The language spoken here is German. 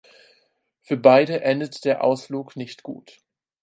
Für beide endet der Ausflug nicht gut.